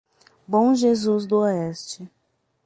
Bom Jesus do Oeste